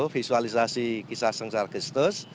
visualisasi kisah sengsara